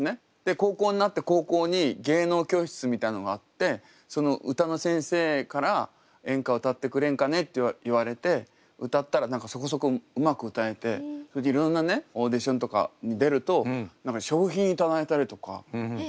高校になって高校に芸能教室みたいなのがあって歌の先生から「演歌を歌ってくれんかね」と言われて歌ったら何かそこそこうまく歌えてそれでいろんなオーディションとかに出ると賞品頂いたりとか３０。